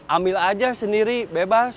ambil aja sendiri bebas